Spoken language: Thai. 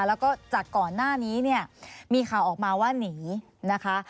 แล้วก็จากก่อนหน้านี้เนี่ยมีข่าวออกมาว่าหนีนะคะ